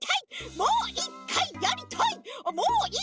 もう１かいやりたい！